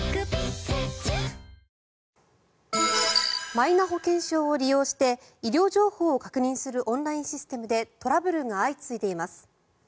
マイナ保険証を利用して医療情報を確認するオンラインシステムでトラブルが相次いでいます。